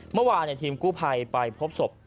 เมื่อวานทีมกู้ภัยไปพบศพ